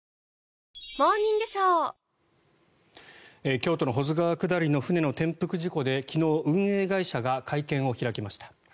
京都の保津川下りの船の転覆事故で昨日、運営会社が会見を開きました。